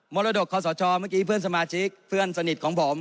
รดกคอสชเมื่อกี้เพื่อนสมาชิกเพื่อนสนิทของผม